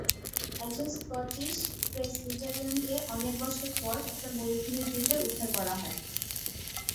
একজন স্কটিশ প্রেসবিটারিয়ানকে অনেক বছর পর একটা মরুভূমির দ্বীপে উদ্ধার করা হয়।